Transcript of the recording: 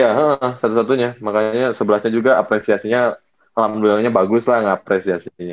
iya satu satunya makanya sebelas nya juga apresiasinya alam doangnya bagus lah yang apresiasinya